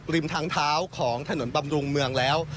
ริมทางเท้าของถนนบำรุงเมืองแล้ว